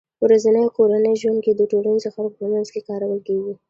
ورځني او کورني ژوند کې د ټولنيزو خلکو په منځ کې کارول کېږي